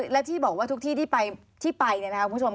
และที่บอกว่าทุกที่ที่ไปที่ไปเนี่ยคุณผู้ชม